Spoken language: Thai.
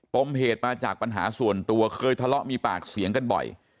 มเหตุมาจากปัญหาส่วนตัวเคยทะเลาะมีปากเสียงกันบ่อย